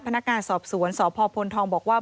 พนักงานสอบสวนสพพลทองบอกว่า